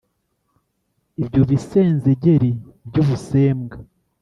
Ibyo bisenzegeri by'ubusembwa